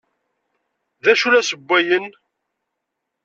D acu ay la ssewwayen?